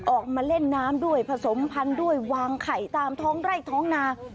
ออกมาเล่นน้ำด้วยผสมพันธุ์ด้วยวางไข่ตามท้องไร่ท้องนา